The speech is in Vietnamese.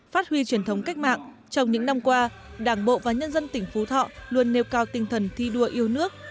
phát huy truyền thống cách mạng trong những năm qua đảng bộ và nhân dân tỉnh phú thọ luôn nêu cao tinh thần thi đua yêu nước